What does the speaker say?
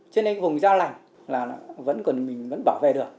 cho nên vùng dao lạnh là mình vẫn bảo vệ được